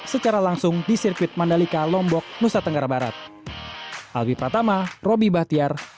secara langsung di sirkuit mandalika lombok nusa tenggara barat